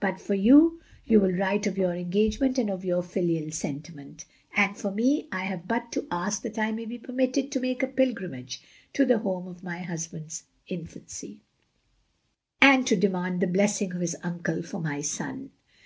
But for you, you will write of your engagement, and of your filial sentiment; and for me, I have but to ask that I may be permitted to make a pilgrim age to the home of iny husband's infancy; 372 THE LONELY LADY and to demand the blessing of his unde for nsy son.